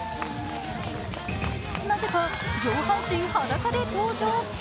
なぜか上半身裸で登場。